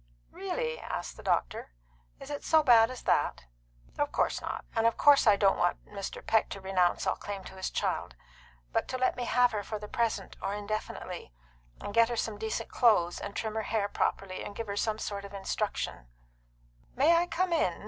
"Really?" asked the doctor. "Is it so bad as that?" "Of course not. And of course I don't want Mr. Peck to renounce all claim to his child; but to let me have her for the present, or indefinitely, and get her some decent clothes, and trim her hair properly, and give her some sort of instruction " "May I come in?"